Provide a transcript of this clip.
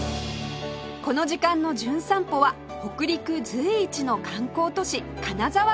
この時間の『じゅん散歩』は北陸随一の観光都市金沢スペシャル！